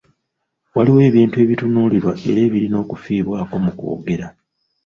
Waliwo ebintu ebitunuulirwa era ebirina okufiibwako mu kwogera .